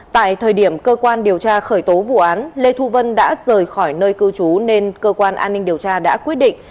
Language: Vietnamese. tại thời điểm cơ quan điều tra khởi tố vụ án lê thu vân đã rời khỏi nơi cư trú nên cơ quan an ninh điều tra đã quyết định